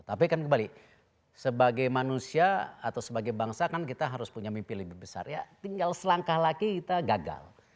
tapi kan kembali sebagai manusia atau sebagai bangsa kan kita harus punya mimpi lebih besar ya tinggal selangkah lagi kita gagal